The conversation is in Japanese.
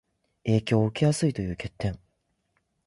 影響を受けやすいという欠点